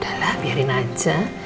udahlah biarin aja